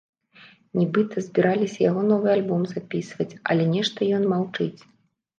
Нібыта збіраліся яго новы альбом запісваць, але нешта ён маўчыць.